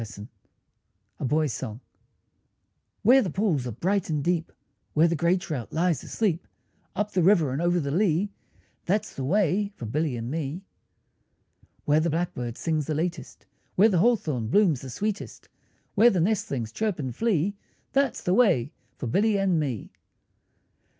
TWO SONGS A BOY'S SONG Where the pools are bright and deep, Where the grey trout lies asleep, Up the river and over the lea, That's the way for Billy and me. Where the blackbird sings the latest, Where the hawthorn blooms the sweetest, Where the nestlings chirp and flee, That's the way for Billy and me.